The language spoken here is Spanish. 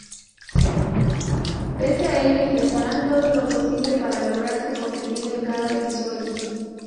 Pese a ello intentarán todo lo posible para lograr su cometido en cada episodio.